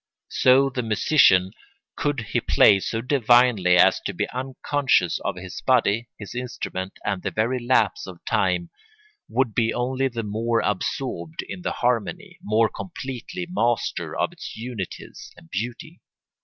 So the musician, could he play so divinely as to be unconscious of his body, his instrument, and the very lapse of time, would be only the more absorbed in the harmony, more completely master of its unities and beauty.